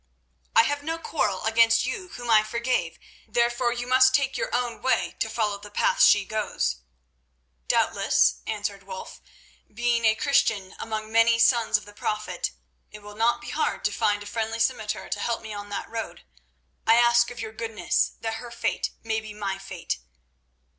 "I have no quarrel against you whom I forgave, therefore you must take your own way to follow the path she goes." "Doubtless," answered Wulf, "being a Christian among many sons of the Prophet, it will not be hard to find a friendly scimitar to help me on that road. I ask of your goodness that her fate may be my fate."